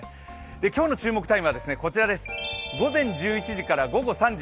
今日の注目タイムはこちら、午前１１時から午後３時。